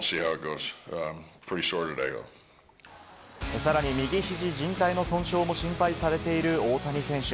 さらに右肘じん帯の損傷も心配されている大谷選手。